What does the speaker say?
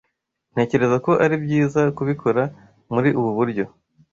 Ntekereza ko ari byiza kubikora muri ubu buryo.